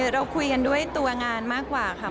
เราคุยกันด้วยตัวงานมากกว่าค่ะ